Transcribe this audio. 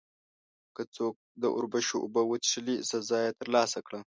که څوک د اوربشو اوبه وڅښلې، سزا یې ترلاسه کړه.